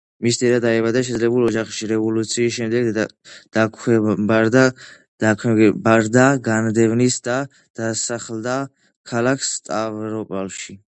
მისი დედა დაიბადა შეძლებულ ოჯახში, რევოლუციის შემდეგ დაექვემდებარა განდევნას და დასახლდა ქალაქ სტავროპოლში.